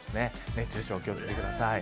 熱中症、お気を付けください。